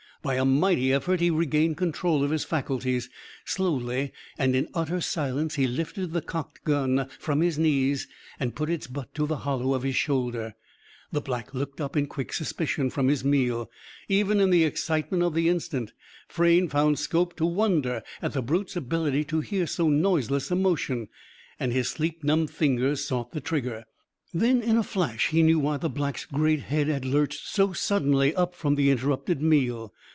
By a mighty effort he regained control of his faculties. Slowly and in utter silence he lifted the cocked gun from his knees and put its butt to the hollow of his shoulder. The Black looked up, in quick suspicion, from his meal. Even in the excitement of the instant, Frayne found scope to wonder at the brute's ability to hear so noiseless a motion. And his sleep numbed finger sought the trigger. Then, in a flash, he knew why the Black's great head had lurched so suddenly up from the interrupted meal.